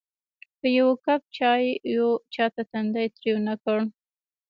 په یوه کپ چایو چاته تندی تریو نه کړ.